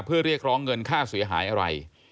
เพื่อเรียกร้องเงินค่าเสียหายอะไร